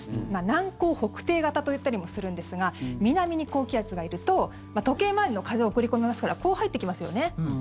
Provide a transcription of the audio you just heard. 南高北低型といったりもするんですが南に高気圧がいると時計回りの風を送り込みますからこう入ってきますよね。